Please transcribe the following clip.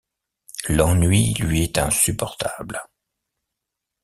L'ennui lui est insupportable.